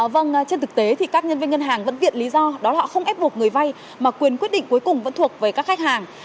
vâng trên thực tế thì các nhân viên ngân hàng vẫn tiện lý do đó họ không ép buộc người vay mà quyền quyết định cuối cùng vẫn thuộc về các khách hàng